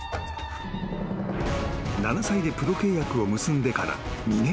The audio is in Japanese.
［７歳でプロ契約を結んでから２年後］